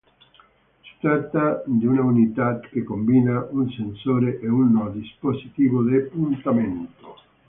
Si tratta di una unità che combina un sensore e un dispositivo di puntamento.